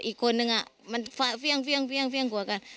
อีกคนนึงอ่ะมันเฟี้ยงเฟี้ยงเฟี้ยงกว่ากัน